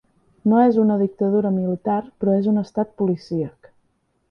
No és una dictadura militar, però és un estat policíac.